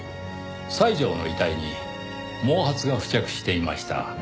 西條の遺体に毛髪が付着していました。